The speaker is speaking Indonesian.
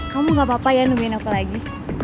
kamu gak apa apa ya nungguin aku lagi